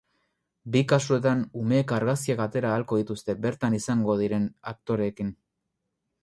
Bi kasuetan, umeek argazkiak atera ahalko dituzte bertan izango diren aktoreekin.